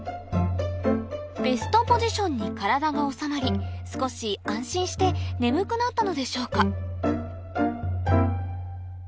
ベストポジションに体が収まり少し安心して眠くなったのでしょうか